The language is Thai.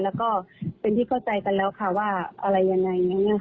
แล้วก็เป็นที่เข้าใจกันแล้วค่ะว่าอะไรยังไงอย่างนี้ค่ะ